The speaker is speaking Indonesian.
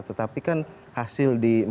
tetapi kan hasil di